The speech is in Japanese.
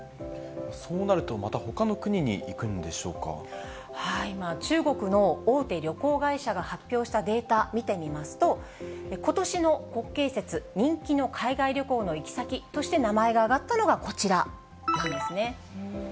そうなると、またほかに国に中国の大手旅行会社が発表したデータ、見てみますと、ことしの国慶節、人気の海外旅行の行き先として名前が挙がったのがこちらなんですね。